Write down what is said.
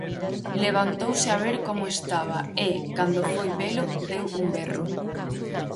Levantouse a ver como estaba e, cando foi velo, deu un berro.